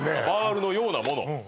バールのようなもの